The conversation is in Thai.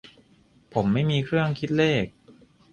"ผมไม่มีเครื่องคิดเลข"